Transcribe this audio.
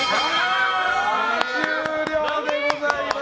終了でございます。